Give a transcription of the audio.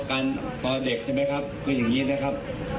อ๋อการตลอดเล็กใช่ไหมครับคืออย่างนี้นะครับ